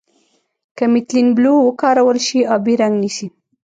که میتیلین بلو وکارول شي آبي رنګ نیسي.